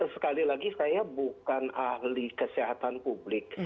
sekali lagi saya bukan ahli kesehatan publik